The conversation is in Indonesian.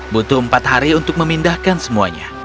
butuh empat hari untuk memindahkan semuanya